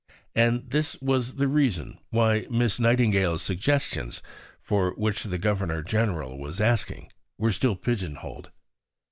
And this was the reason why Miss Nightingale's Suggestions, for which the Governor General was asking, were still pigeon holed.